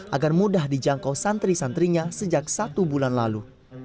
agar mudah dijangkau santri santrinya sejak satu bulan lalu